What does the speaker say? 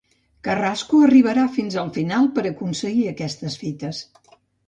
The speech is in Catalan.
Carrasco arribarà fins al final per aconseguir aquestes fites